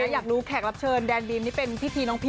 ยังไม่ได้มั้ง